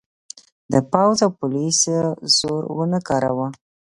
د پوځ او پولیسو زور ونه کاراوه.